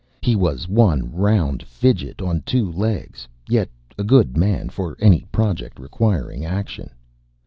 He was one round fidget on two legs, yet a good man for any project requiring action.